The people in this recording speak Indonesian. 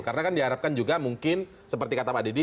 karena kan diharapkan juga mungkin seperti kata pak didi